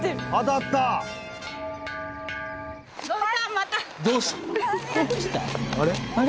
あれ？